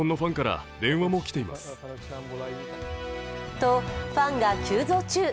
と、ファンが急増中。